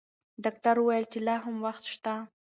ډاکټر وویل چې لا هم وخت شته.